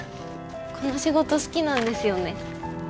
この仕事好きなんですよね。